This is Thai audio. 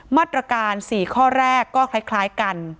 มาตรการ๔ข้อแรกก็คล้ายกัน